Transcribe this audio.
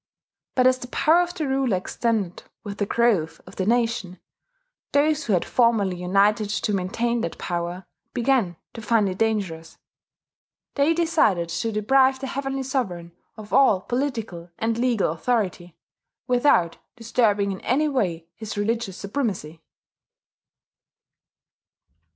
But as the power of the ruler extended with the growth of the nation, those who had formerly united to maintain that power began to find it dangerous. They decided to deprive the Heavenly Sovereign of all political and legal authority, without disturbing in any way his religious supremacy.